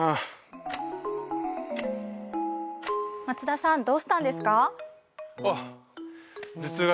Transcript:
松田さんどうしたんですか？